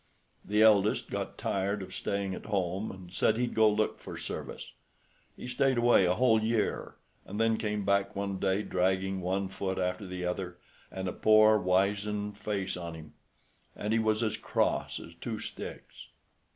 The eldest got tired of staying at home, and said he'd go look for service. He stayed away a whole year, and then came back one day, dragging one foot after the other, and a poor, wizened face on him, and he was as cross as two sticks.